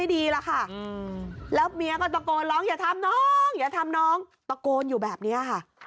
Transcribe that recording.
นี่คือลูกน้อย